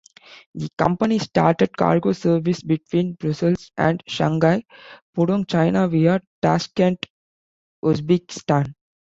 The company started cargo service between Brussels and Shanghai Pudong, China via Tashkent, Uzbekistan.